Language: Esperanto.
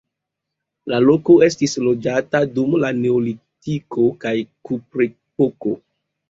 La loko estis loĝata dum la neolitiko kaj kuprepoko.